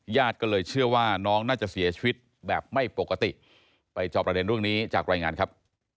ญาติก็เลยเชื่อว่าน้องน่าจะเสียชีวิตแบบไม่ปกติไปจอบประเด็นเรื่องนี้จากรายงานครับ